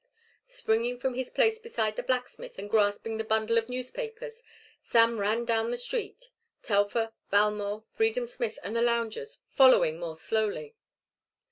Springing from his place beside the blacksmith and grasping the bundle of newspapers, Sam ran down the street, Telfer, Valmore, Freedom Smith and the loungers following more slowly.